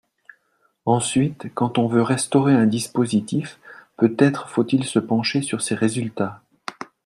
Ensuite, quand on veut restaurer un dispositif, peut-être faut-il se pencher sur ses résultats.